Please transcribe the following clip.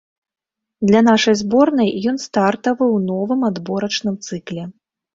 Для нашай зборнай ён стартавы ў новым адборачным цыкле.